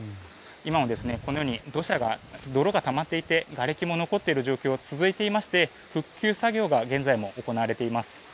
今もこのように泥がたまっていてがれきが残っている状況が続いていまして、復旧作業が現在も行われています。